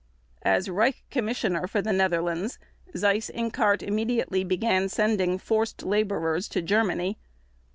As Reich Commissioner for the Netherlands, Seyss Inquart immediately began sending forced laborers to Germany.